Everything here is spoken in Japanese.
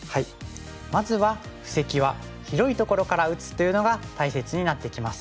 まずは布石は広いところから打つというのが大切になってきます。